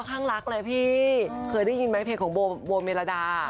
เป็นรักหลอยดีแหละ